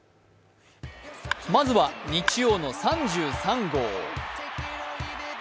まずは、日曜の３３号。